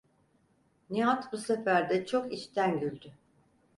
Nihat bu sefer de çok içten güldü: